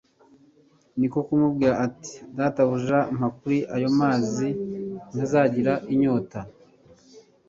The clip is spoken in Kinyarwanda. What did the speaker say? Niko kumubwira ati: "Databuja mpa kuri ayo mazi ntazagira inyota